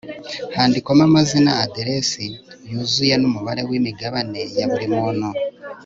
handikwamo amazina, aderesi yuzuye n'umubare w'imigabane ya buri muntu